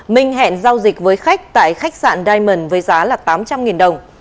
minh hẹn giao dịch với khách tại khách sạn diamond với giá là tám trăm linh đồng